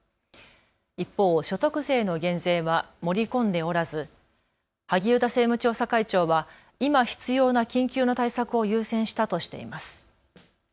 一方、所得税の減税は盛り込んでおらず萩生田政務調査会長は今必要な緊急の対策を優先したとしています。